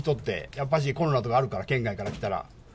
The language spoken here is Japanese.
やっぱしコロナとかあるから、県外から来たら。